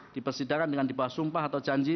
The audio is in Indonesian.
dibersidakan dengan dibawa sumpah atau janji